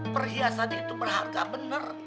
perhiasan itu berharga bener